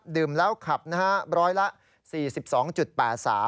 ดื่มแล้วขับร้อยละ๔๒จุ่ดเป๋า๓